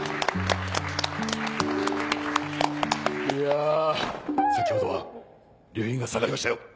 いや先ほどは留飲が下がりましたよ！